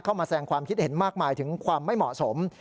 เข้ามาแสงความคิดเห็นมากมายถึงความไม่เหมาะสม